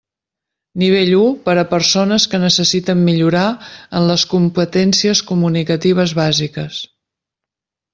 Nivell u, per a persones que necessiten millorar en les competències comunicatives bàsiques.